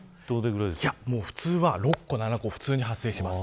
普通は６個、７個発生します。